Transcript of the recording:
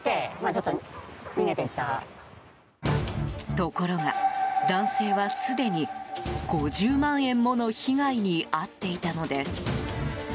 ところが、男性はすでに５０万円もの被害に遭っていたのです。